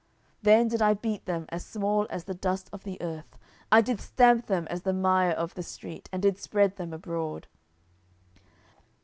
10:022:043 Then did I beat them as small as the dust of the earth, I did stamp them as the mire of the street, and did spread them abroad.